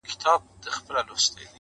او چوپتيا خپره ده هر ځای,